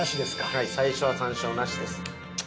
はい最初は山椒なしです。